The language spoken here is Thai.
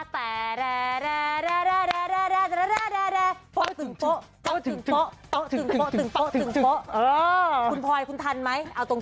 เป้ีนดีสุดแห่งมาพูดถรัฐนิดนึงเอาตรง